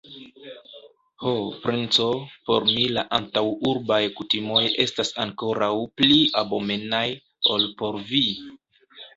Ho, princo, por mi la antaŭurbaj kutimoj estas ankoraŭ pli abomenaj, ol por vi!